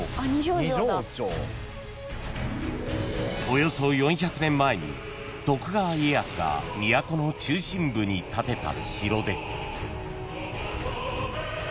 ［およそ４００年前に徳川家康が都の中心部に建てた城で］